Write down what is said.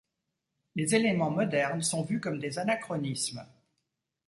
Les éléments modernes sont vus comme des anachronismes.